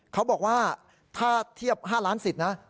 เขาบอกว่าถ้าเทียบ๕ล้านสิทธิ์นะ